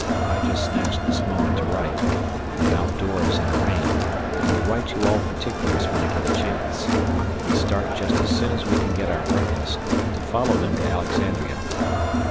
I just snatch this moment to write am out doors in a rain will write you all particulars when I get a chance. We start just as soon as we can get our breakfast to follow them to Alexandria.